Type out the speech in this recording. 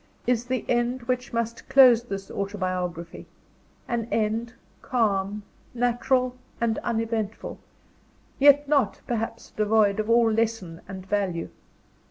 is the end which must close this autobiography: an end, calm, natural, and uneventful; yet not, perhaps, devoid of all lesson and value.